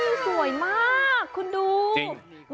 เสียจริงสวยมากคุณดูเห็ดดากหยังอยู่